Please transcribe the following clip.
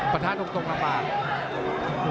ปะทะตรงละปาก